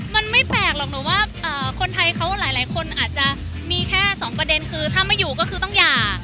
มันไม่แปลกหรอกหนูว่าคนไทยเขาหลายคนอาจจะมีแค่สองประเด็นคือถ้าไม่อยู่ก็คือต้องหย่า